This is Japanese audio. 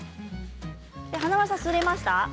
華丸さんすれました？